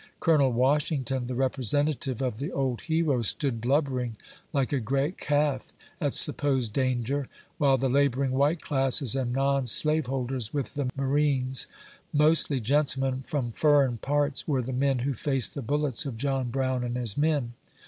Col. Washington, the representative of the old hero, stood "blubbering" like a great calf at supposed danger; while the laboring white classes and non slaveholders, with the ma rines, (mostly gentlemen from u furrin " parts,) were the men who faced the bullets of John Brown and his men.